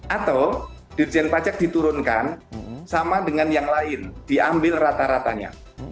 atau dirjen pajak diturunkan sama dengan yang lain diambil rata ratanya